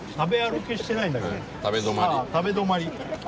食べ止まり。